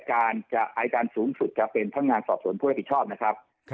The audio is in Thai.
ไอ้การสูงสุดจะเป็นพังงานสอบศูนย์ภูมิผลผิดชอบนะครับ